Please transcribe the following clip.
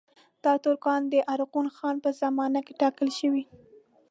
دا ترکان د ارغون خان په زمانه کې ټاکل شوي.